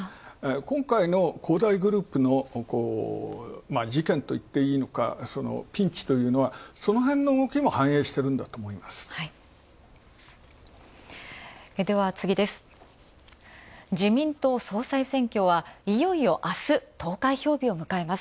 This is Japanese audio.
今回の恒大グループの事件といっていいのか、ピンチというのはそのへんの動きも反映してるんだと思います。